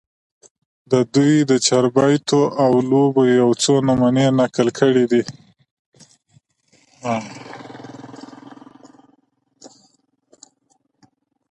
د دوي د چاربېتواو لوبو يو څو نمونې نقل کړي دي